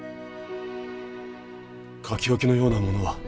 書き置きのようなものは。